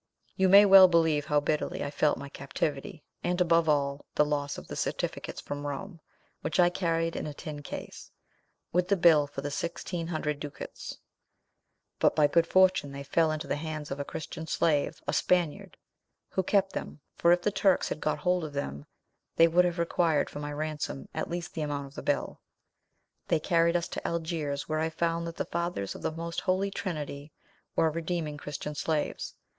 "You may well believe how bitterly I felt my captivity, and above all, the loss of the certificates from Rome, which I carried in a tin case, with the bill for the sixteen hundred ducats; but, by good fortune, they fell into the hands of a Christian slave, a Spaniard, who kept them, for if the Turks had got hold of them, they would have required for my ransom at least the amount of the bill. They carried us to Algiers, where I found that the fathers of the Most Holy Trinity were redeeming Christian slaves.